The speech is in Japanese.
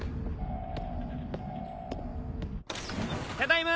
ただいま。